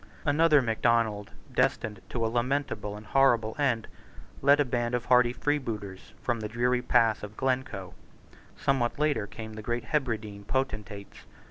Another Macdonald, destined to a lamentable and horrible end, led a band of hardy freebooters from the dreary pass of Glencoe. Somewhat later came the great Hebridean potentates.